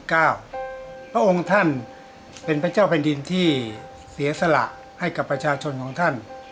พระองค์ท่านเป็นพระเจ้าแผ่นดินที่เสียสละให้กับประชาชนของท่าน